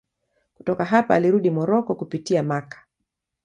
Kutoka hapa alirudi Moroko kupitia Makka.